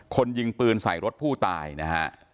ยิงปืนใส่รถผู้ตายนะฮะ